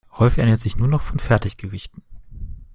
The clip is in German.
Rolf ernährt sich nur noch von Fertiggerichten.